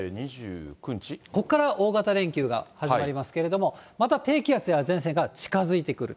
ここから大型連休が始まりますけれども、また低気圧や前線が近づいてくる。